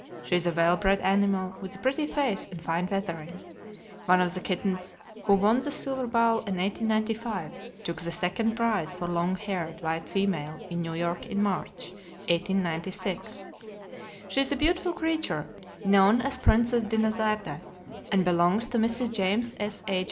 She is a well bred animal, with a pretty face and fine feathering. One of the kittens who won the silver bowl in 1895 took the second prize for long haired white female in New York, in March, 1896. She is a beautiful creature, known as Princess Dinazarde, and belongs to Mrs. James S.H.